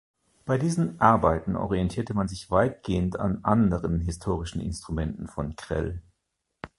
Bei diesen Arbeiten orientierte man sich weitgehend an anderen historischen Instrumenten von Krell.